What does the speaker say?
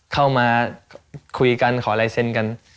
เข้ามาคุยกันขอลายเซ็นต์กัน